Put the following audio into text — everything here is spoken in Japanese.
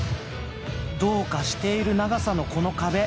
どうかしている長さのこの壁。